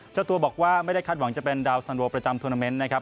เจ้าตัวบอกว่าไม่ได้คาดหวังจะเป็นดาวสันโวประจำทวนาเมนต์นะครับ